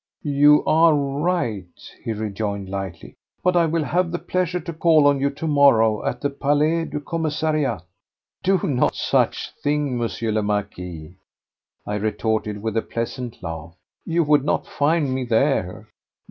"You are right," he rejoined lightly. "But I will have the pleasure to call on you to morrow at the Palais du Commissariat." "Do no such thing, Monsieur le Marquis," I retorted with a pleasant laugh. "You would not find me there."